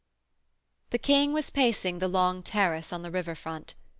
IV The King was pacing the long terrace on the river front.